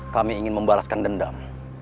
kami ingin membalaskan dendam